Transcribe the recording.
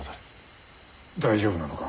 大丈夫なのか？